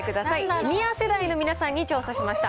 シニア世代の皆さんに調査しました。